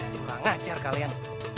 kurang ajar kalian